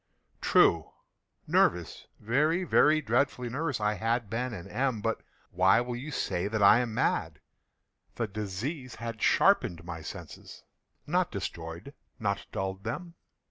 True!—nervous—very, very dreadfully nervous I had been and am; but why will you say that I am mad? The disease had sharpened my senses—not destroyed—not dulled them.